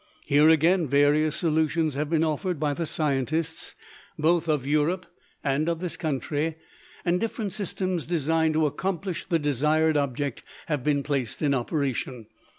Here again various solutions have been offered by the scientists both of Europe and of this country, and different systems designed to accomplish the desired object have been placed in operation.